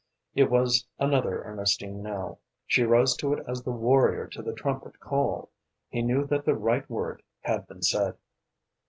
It was another Ernestine now. She rose to it as the warrior to the trumpet call. He knew that the right word had been said.